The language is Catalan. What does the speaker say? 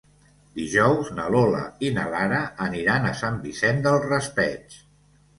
Dijous na Lola i na Lara aniran a Sant Vicent del Raspeig.